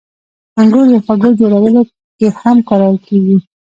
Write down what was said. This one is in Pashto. • انګور د خوږو جوړولو کې هم کارول کېږي.